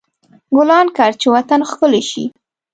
ګلان کر، چې وطن ښکلی شي.